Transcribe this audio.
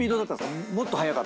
もっと速かったりとか。